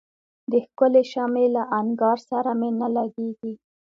د ښکلي شمعي له انګار سره مي نه لګیږي